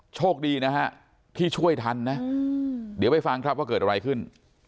โชคดีนะฮะที่ช่วยทันนะเดี๋ยวไปฟังครับว่าเกิดอะไรขึ้น